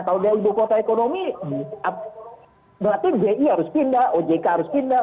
kalau dari ibu kota ekonomi berarti ji harus pindah ojk harus pindah